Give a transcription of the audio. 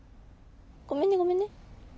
ごめんねごめんね。